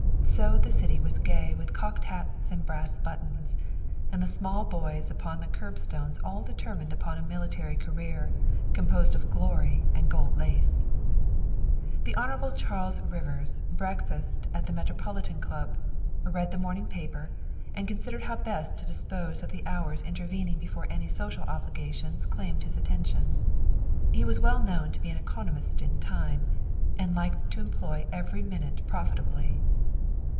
So the city was gay with cocked hats and brass buttons, and the small boys upon the curbstones all determined upon a military career, composed of glory and gold lace. The Hon. Charles Rivers breakfasted at the Metro politan Club, read the morning paper, and considered how best to dispose of the hours intervening before any social obligations claimed his attention. He was well known to be an economist in time, and liked to employ every minute profitably.